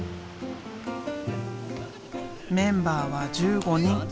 メンバーは１５人。